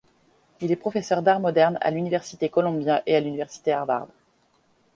Il est professeur d'art moderne à l'université Columbia et à l'université Harvard.